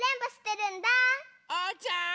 ・おうちゃん！